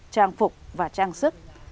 trang phục và trang sức